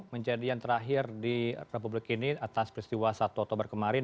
menjadi yang terakhir di republik ini atas peristiwa satu oktober kemarin